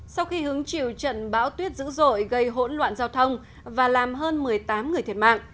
sau khi hứng chịu trận bão tuyết dữ dội gây hỗn loạn giao thông và làm hơn một mươi tám người thiệt mạng